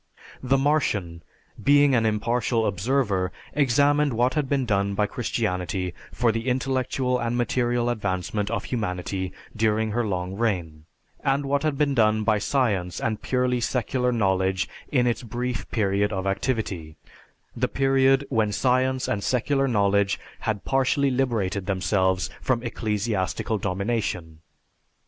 The Martian being an impartial observer examined what had been done by Christianity for the intellectual and material advancement of humanity during her long reign, and what had been done by science and purely secular knowledge in its brief period of activity, the period when science and secular knowledge had partially liberated themselves from ecclesiastical domination.